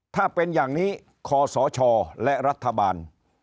ถ้าเป็นอย่างนี้คศและรัฐบาล